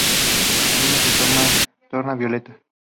La niña se torna violenta.